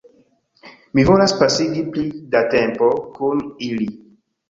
Mi volas pasigi pli da tempo kun ili